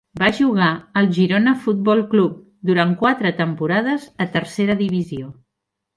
Va jugar al Girona Futbol Club durant quatre temporades a tercera divisió.